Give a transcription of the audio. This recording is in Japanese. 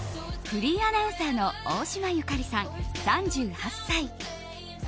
フリーアナウンサーの大島由香里さん、３８歳。